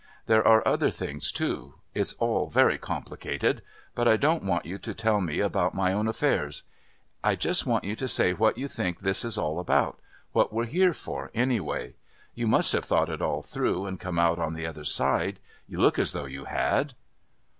There are other things too it's all very complicated. But I don't want you to tell me about my own affairs! I just want you to say what you think this is all about, what we're here for anyway. You must have thought it all through and come out the other side. You look as though you had."